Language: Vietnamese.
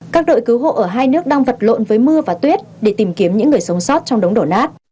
các đội cứu hộ ở hai nước đang vật lộn với mưa và tuyết để tìm kiếm những người sống sót trong đống đổ nát